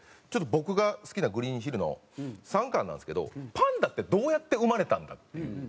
ちょっと僕が好きな『グリーンヒル』の３巻なんですけどパンダってどうやって生まれたんだっていう。